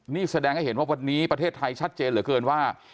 นี่แสดงให้เห็นว่าวันนี้ประเทศไทยชัดเจนเหลือเกินว่า